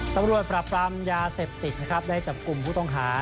ตำรวจปราบปรามยาเสพติดนะครับได้จับกลุ่มผู้ต้องหา